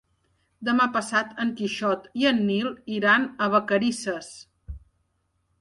Demà passat en Quixot i en Nil iran a Vacarisses.